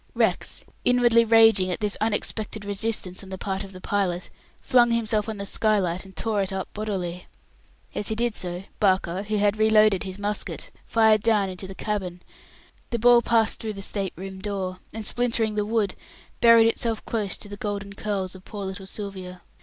Rex, inwardly raging at this unexpected resistance on the part of the pilot, flung himself on the skylight, and tore it up bodily. As he did so, Barker, who had reloaded his musket, fired down into the cabin. The ball passed through the state room door, and splintering the wood, buried itself close to the golden curls of poor little Sylvia.